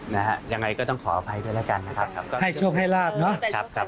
นะฮะยังไงก็ต้องขออภัยด้วยแล้วกันนะครับก็ให้โชคให้ลาบเนอะครับครับ